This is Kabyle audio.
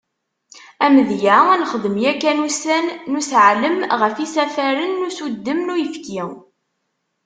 Amedya, nexdem yakan ussan n useɛlem ɣef yisafaren n usuddem n uyefki.